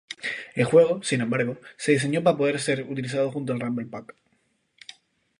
El juego, sin embargo, se diseñó para poder ser utilizado junto al Rumble Pack.